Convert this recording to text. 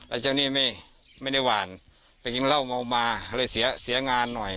เจ้านี่ไม่ได้หวานไปกินเหล้าเมามาเลยเสียงานหน่อย